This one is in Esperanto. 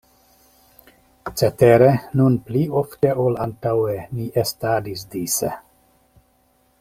Cetere, nun pli ofte ol antaŭe ni estadis dise.